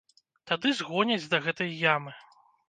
Тады згоняць да гэтай ямы.